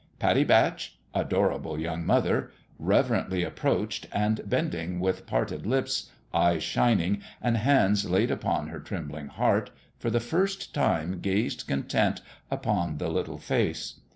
Pattie Batch adorable young mother 1 reverently approached, and, bending with parted lips, eyes shining, and hands laid upon her trembling heart, for the first time gazed content upon the little face.